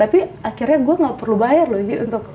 akhirnya gue gak perlu bayar loh